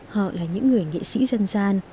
họ là những người nghệ sĩ dân dân